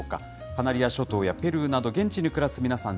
カナリア諸島やペルーなど、現地に暮らす皆さん